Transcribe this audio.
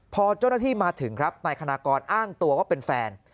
พอเจ้าหน้าที่มาถึงครับนายคณากรอ้างตัวว่าเป็นแฟน